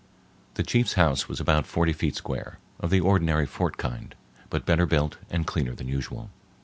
The chief's house was about forty feet square, of the ordinary fort kind, but better built and cleaner than usual.